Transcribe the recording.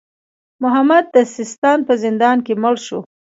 محمد د سیستان په زندان کې مړ شو.